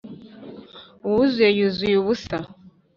uwuzuye yuzuye ubusa.